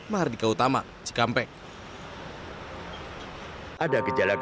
mahardika utama cikampek